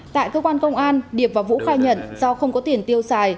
tại cơ quan công an điệp và vũ khai nhận do không có tiền tiêu xài